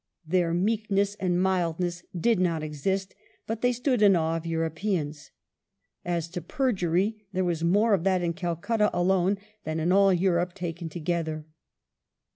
Their "meekness and mildness" did not exist, but they stood in awe of Europeans. As to perjury, there was more of that in Calcutta alone than "in all Europe taken together."